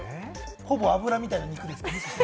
ほぼ脂身みたいな肉ですかね。